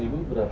ini dengan baik